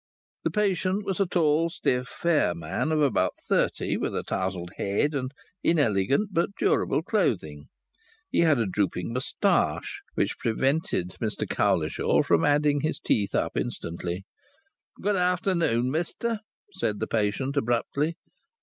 The patient was a tall, stiff, fair man of about thirty, with a tousled head and inelegant but durable clothing. He had a drooping moustache, which prevented Mr Cowlishaw from adding his teeth up instantly. "Good afternoon, mister," said the patient, abruptly.